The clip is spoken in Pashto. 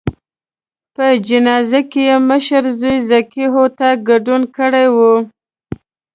په جنازه کې یې مشر زوی ذکي هوتک ګډون کړی و.